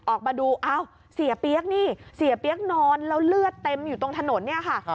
ออกมาดูอ้าวเสียเปี๊ยกนี่เสียเปี๊ยกนอนแล้วเลือดเต็มอยู่ตรงถนนเนี่ยค่ะ